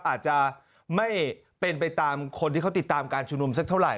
อาจจะไม่เป็นไปตามคนที่เขาติดตามการชุมนุมสักเท่าไห